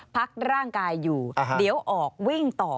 พักร่างกายอยู่เดี๋ยวออกวิ่งต่อ